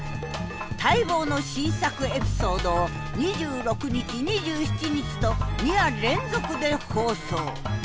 待望の新作エピソードを２６日２７日と２夜連続で放送。